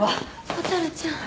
蛍ちゃん。